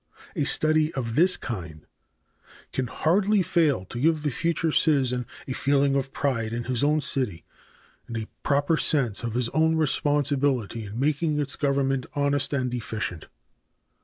A study of this kind can hardly fail to give the future citizen a feeling of pride in his own city, and a proper sense of his own responsibility in making its government honest and efficient.